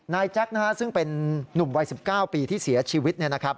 แจ็คซึ่งเป็นนุ่มวัย๑๙ปีที่เสียชีวิต